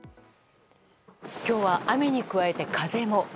今日は雨に加えて風も。